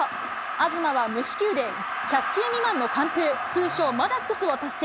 東は無四球で１００球未満の完封、通称、マダックスを達成。